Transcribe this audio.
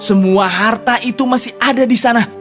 semua harta itu masih ada di sana